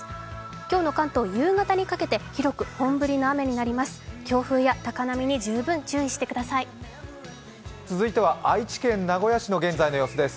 今日の関東、夕方にかけて広く本降りの雨になります。